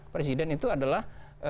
presiden itu adalah